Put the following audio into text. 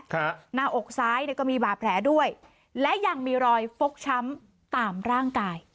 หน้าอกซ้ายเนี่ยก็มีบาดแผลด้วยและยังมีรอยฟกช้ำตามร่างกาย